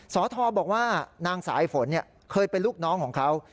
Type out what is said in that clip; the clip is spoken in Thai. สทบอกว่านางสายฝนเคยเป็นลูกน้องของเขา